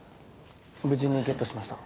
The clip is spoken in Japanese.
無事にゲットしました。